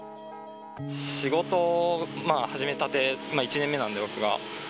仕事始めたて、１年目なんで、僕が。